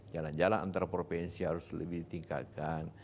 jalan jalan antarapropensi harus lebih ditingkatkan